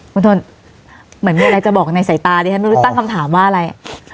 คุณทนเหมือนมีอะไรจะบอกในสายตาดิฉันไม่รู้ตั้งคำถามว่าอะไร